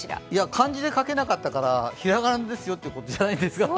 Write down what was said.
漢字で書けなかったからひらがなですよってことじゃないですか？